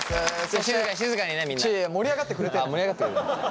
ああ盛り上がってくれてる。